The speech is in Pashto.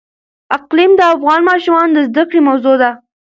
اقلیم د افغان ماشومانو د زده کړې موضوع ده.